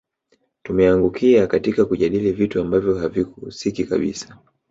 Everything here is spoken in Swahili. Tumeangukia katika kujadili vitu ambavyo havihusiki kabisa